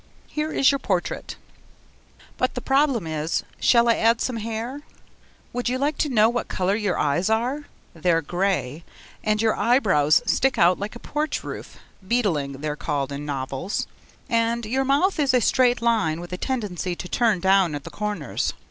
Here is your portrait: But the problem is, shall I add some hair? Would you like to know what colour your eyes are? They're grey, and your eyebrows stick out like a porch roof (beetling, they're called in novels), and your mouth is a straight line with a tendency to turn down at the corners.